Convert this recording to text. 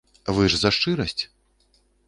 Вы ж за шчырасць?